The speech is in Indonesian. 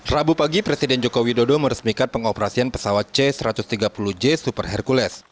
rabu pagi presiden joko widodo meresmikan pengoperasian pesawat c satu ratus tiga puluh j super hercules